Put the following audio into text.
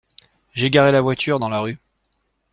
J'ai garé la voiture dans la rue.